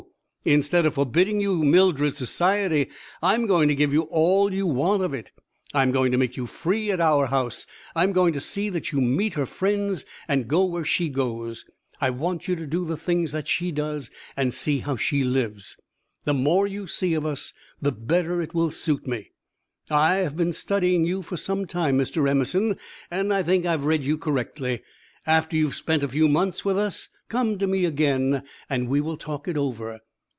instead of forbidding you Mildred's society, I am going to give you all you want of it. I am going to make you free at our house. I am going to see that you meet her friends and go where she goes. I want you to do the things that she does and see how she lives. The more you see of us, the better it will suit me. I have been studying you for some time, Mr. Emerson, and I think I have read you correctly. After you have spent a few months with us, come to me again and we will talk it over.